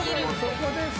そこです。